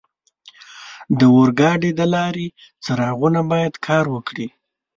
د اورګاډي د لارې څراغونه باید کار وکړي.